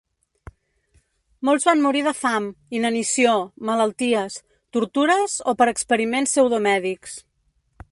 Molts van morir de fam, inanició, malalties, tortures o per experiments pseudomèdics.